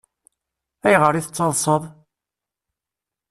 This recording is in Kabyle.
Ayɣer i tettaḍsaḍ?